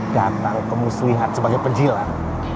datang kamu selihat sebagai penjilat